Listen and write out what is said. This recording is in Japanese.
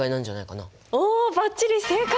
おばっちり正解！